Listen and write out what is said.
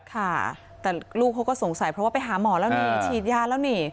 ค่ะแต่ลูกเขาก็สงสัยเพราะว่าไปหาหมอแล้วนี่ฉีดยาแล้วนี่